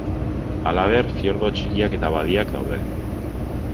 Halaber fiordo txikiak eta badiak daude.